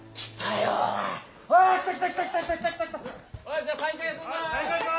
よしじゃあ再開するぞ！